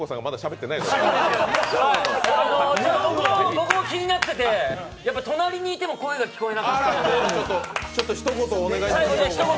僕も気になっていて隣にいても声が聞こえなかったので、最後にひと言。